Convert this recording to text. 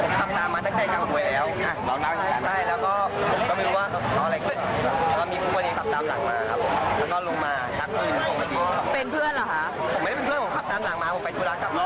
พอไปทั้งสองคนข้ามตามมาตั้งแต่กลางป่วยแล้ว